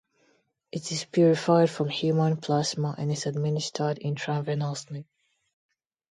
It is purified from human plasma and is administered intravenously.